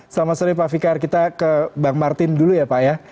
selamat sore pak fikar kita ke bang martin dulu ya pak ya